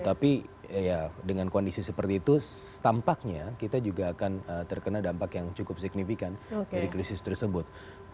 jadi dengan kondisi seperti itu tampaknya kita juga akan terkena dampak yang cukup signifikan dari krisis tersebut